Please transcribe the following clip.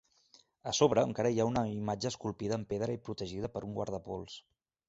A sobre encara hi ha una imatge esculpida en pedra i protegida per un guardapols.